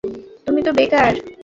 তুমি তো বেকার।